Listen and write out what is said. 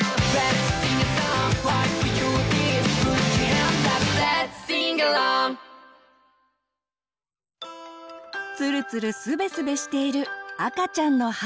ツルツルスベスベしている赤ちゃんの肌。